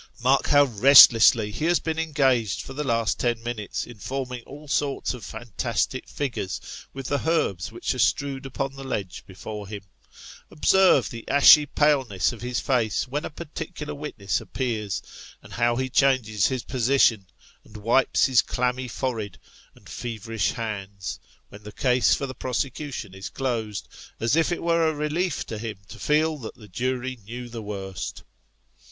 Mark how rest lessly he has been engaged for the last ten minutes, in forming all sorts of fantastic figures with the herbs which are strewed upon the ledge before him ; observe the ashy paleness of his face when a par ticular witness appears, and how he changes his position and wipes his clammy forehead, and feverish hands, when the case for the prosecution is closed, as if it were a relief to him to feel that the jury knew the worst.